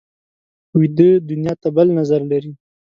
ویده دنیا ته بل نظر لري